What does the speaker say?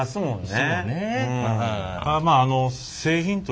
そうね。